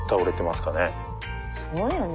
すごいよね。